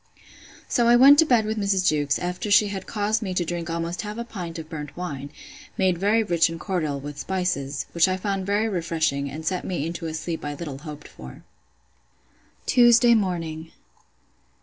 So I went to bed with Mrs. Jewkes, after she had caused me to drink almost half a pint of burnt wine, made very rich and cordial, with spices; which I found very refreshing, and set me into a sleep I little hoped for. Tuesday morning.